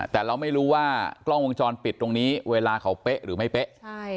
แต่เราไม่รู้ว่ากล้องวงจรปิดตรงนี้เวลาเขาเป๊ะหรือไม่เป๊ะ